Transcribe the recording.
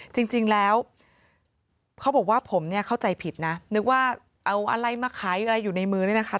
จริงแล้วเขาบอกว่าผมเนี่ยเข้าใจผิดนะนึกว่าเอาอะไรมาขายอะไรอยู่ในมือเนี่ยนะคะ